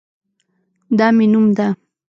دا مې نوم ده